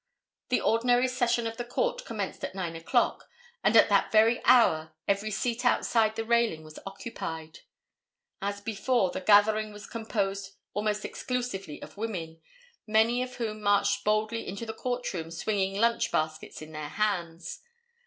The ordinary session of the Court commenced at 9 o'clock, and at that very hour every seat outside the railing was occupied. As before, the gathering was composed almost exclusively of women, many of whom marched boldly into the court room swinging lunch baskets in their hands.